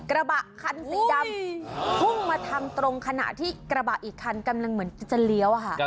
กระบะคันสีดำพุ่งมาทางตรงขณะที่กระบะอีกคันกำลังเหมือนจะเลี้ยวค่ะ